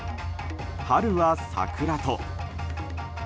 春は桜と。